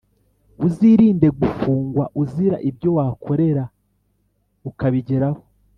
Uzirinde gufungwa uzira ibyo wakorera ukabigeraho